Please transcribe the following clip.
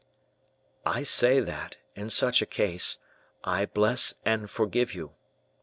"I say that, in such a case, I bless and forgive you.